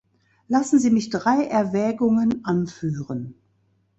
Lassen Sie mich drei Erwägungen anführen.